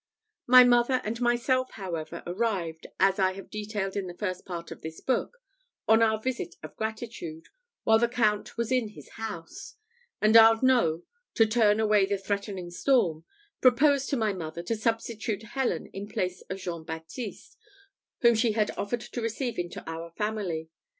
My mother and myself, however, arrived, as I have detailed in the first part of this book, on our visit of gratitude, while the Count was in his house; and Arnault, to turn away the threatening storm, proposed to my mother to substitute Helen in place of Jean Baptiste, whom she had offered to receive into our family.